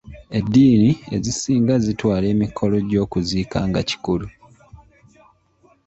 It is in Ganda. Eddiini ezisinga zitwala emikolo gy'okuziika nga kikulu.